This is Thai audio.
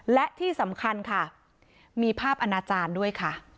และที่สำคัญค่ะมีภาพอาณาจารย์ด้วยค่ะ